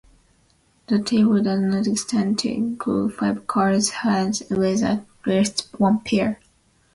The table does not extend to include five-card hands with at least one pair.